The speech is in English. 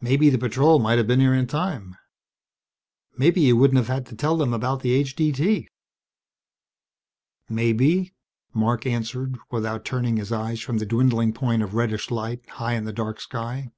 "Maybe the patrol might have been here in time. Maybe you wouldn't have had to tell them about the H.D.T." "Maybe," Marc answered without turning his eyes from the dwindling point of reddish light high in the dark sky.